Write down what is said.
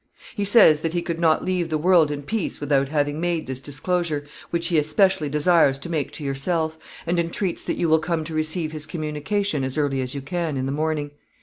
He says that he could not leave the world in peace without having made this disclosure, which he especially desires to make to yourself, and entreats that you will come to receive his communication as early as you can in the morning.